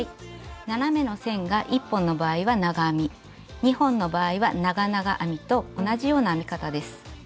斜めの線が１本の場合は長編み２本の場合は長々編みと同じような編み方です。